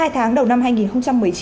hai tháng đầu năm hai nghìn một mươi chín